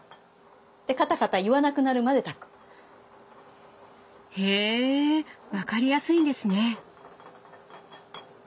でカタカタ言わなくなるまで炊く。へ分かりやすいんですね。